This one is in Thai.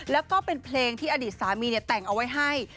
แล้วก็เป็นเพลงที่อดีตสามีแต่งเอาไว้ให้